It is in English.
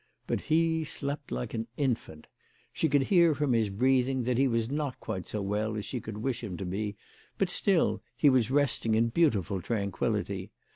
But he slept like an infant. She could hear from his breathing that he was not quite so well as she could wish him to be, but still he was resting in beautiful tranquillity.